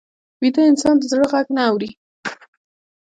ویده انسان د زړه غږ نه اوري